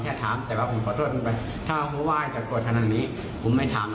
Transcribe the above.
แล้วก็เลยป้องกันตัวเอง